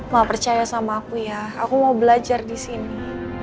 ma percaya sama aku ya aku mau belajar disini